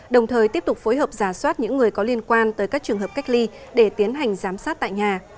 đồng thời tiếp tục phối hợp giả soát những người có liên quan tới các trường hợp cách ly để tiến hành giám sát tại nhà